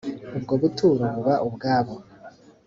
ubwo buturo buba ubwabo.